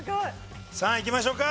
３いきましょうか。